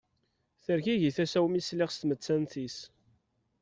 Tergagi tasa-w mi sliɣ s tmettant-is.